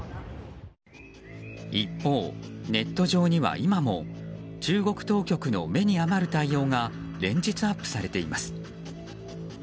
一方、ネット上には今も中国当局の目に余る対応が連日、アップされています。